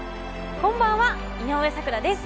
こんばんは井上咲楽です。